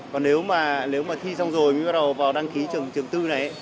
còn nếu mà thi xong rồi mới bắt đầu vào đăng ký trường tư này